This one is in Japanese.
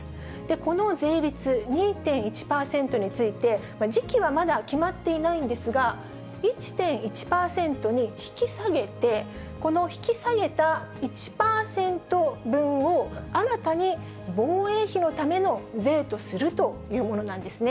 この税率、２．１％について、時期はまだ決まっていないんですが、１．１％に引き下げて、この引き下げた１％分を、新たに防衛費のための税とするというものなんですね。